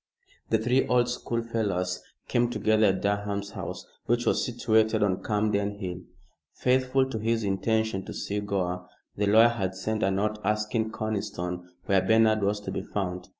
The three old schoolfellows came together at Durham's house, which was situated on Camden Hill. Faithful to his intention to see Gore, the lawyer had sent a note asking Conniston where Bernard was to be found.